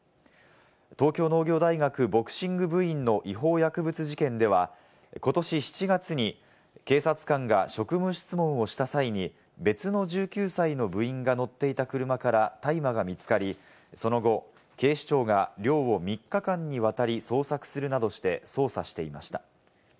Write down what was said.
東京農業大学ボクシング部員の違法薬物事件ではことし７月に警察官が職務質問をした際に別の１９歳の部員が乗っていた車から大麻が見つかり、その後、警視庁が寮を３日間にわたり捜索するなどして捜査していました。